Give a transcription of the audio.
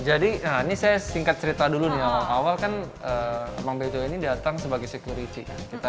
jadi ini saya singkat cerita dulu nih awal awal kan kakak beto ini datang sebagai security